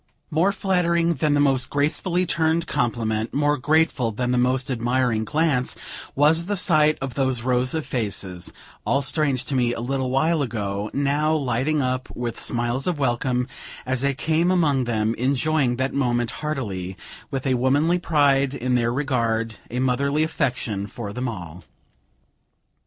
More flattering than the most gracefully turned compliment, more grateful than the most admiring glance, was the sight of those rows of faces, all strange to me a little while ago, now lighting up, with smiles of welcome, as I came among them, enjoying that moment heartily, with a womanly pride in their regard, a motherly affection for them all.